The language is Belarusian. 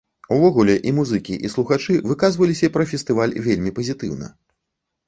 Увогуле, і музыкі, і слухачы выказваліся пра фестываль вельмі пазітыўна.